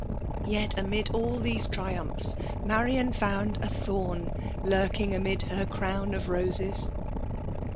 Yet amid all tliese triumphs Marian found a thorn lurking, amid her crawn of roses